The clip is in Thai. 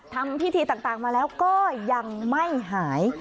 ทำพิธีต่างมาแล้วก็ยังไม่หาย